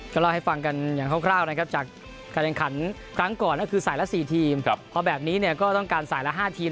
ก็เล่าให้ฟังกันอย่างคร่าวนะครับจากการแข่งขันครั้งก่อนก็คือสายละ๔ทีมพอแบบนี้เนี่ยก็ต้องการสายละ๕ทีม